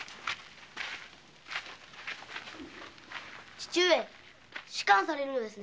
父上仕官されるのですね？